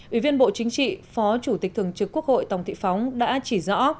ủy viên bộ chính trị phó chủ tịch thường trực quốc hội tổng thị phóng đã chỉ rõ